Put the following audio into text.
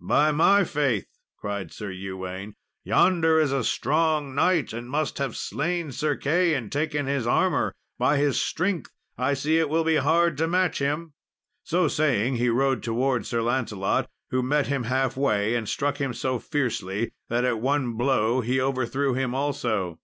"By my faith," cried Sir Ewaine, "yonder is a strong knight, and must have slain Sir Key, and taken his armour! By his strength, I see it will be hard to match him." So saying he rode towards Sir Lancelot, who met him halfway and struck him so fiercely, that at one blow he overthrew him also.